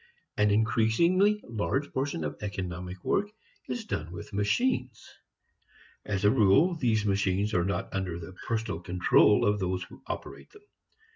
An increasingly large portion of economic work is done with machines. As a rule, these machines are not under the personal control of those who operate them.